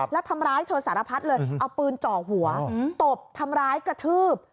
แล้วทำร้ายเธอสารพัดเลยเอาปืนเจาะหัวตบทำร้ายกระทืบ